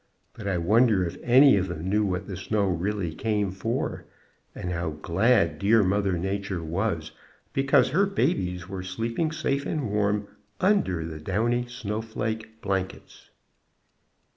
But I wonder if any of them knew what the snow really came for, and how glad dear Mother Nature was because her babies were sleeping safe and warm under the downy snowflake blankets.